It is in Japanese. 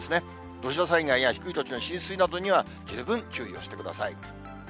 土砂災害や低い土地の浸水などには、十分注意をしてください。